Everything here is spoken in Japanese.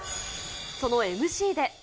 そのＭＣで。